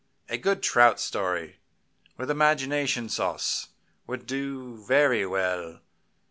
A good trout story, with imagination sauce, would do very well.